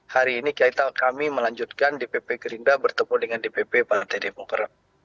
hari ini kami melanjutkan dpp gerindra bertemu dengan dpp partai demokrat